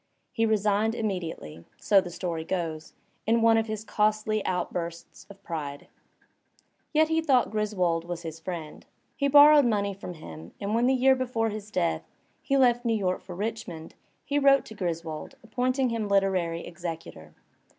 He resigned immediately, so the story goes, in one of his costly outbursts of p]|(le. Yet he Digitized by Google POE 139 thought Griswold was his friend. He borrowed money from him, and when the year before his death, he left New York for Richmond^ he wrote to Griswold appointing him literary executor.